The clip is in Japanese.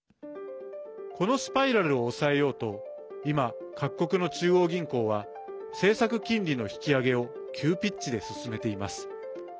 このスパイラルを抑えようと今、各国の中央銀行は政策金利の引き上げを急ピッチで進めています。